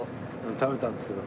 食べたんですけど。